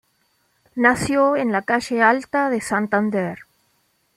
Nació en la calle Alta de Santander.